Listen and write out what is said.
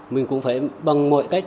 mình cũng phải bằng mọi cách